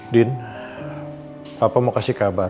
din apa mau kasih kabar